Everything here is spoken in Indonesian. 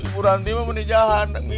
buranti mah benih jalan